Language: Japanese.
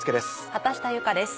畑下由佳です。